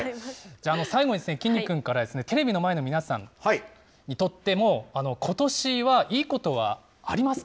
最後にきんに君からテレビの前の皆さんにとっても、ことしはいいことはありますか？